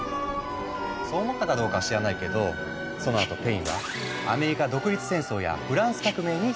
そう思ったかどうかは知らないけどそのあとペインはアメリカ独立戦争やフランス革命に参加。